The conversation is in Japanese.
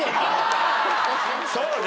そうね。